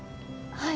はい。